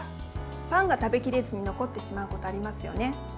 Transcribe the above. パンが食べきれずに残ってしまうことありますよね。